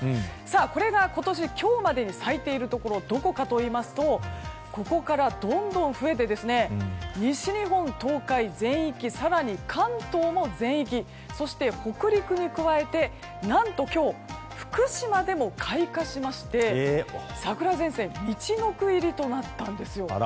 これが今年今日までに咲いているところはどこかといいますとここからどんどん増えて西日本、東海全域更に関東も全域そして、北陸に加えて何と今日、福島でも開花しまして桜前線みちのく入りとなったんですよ。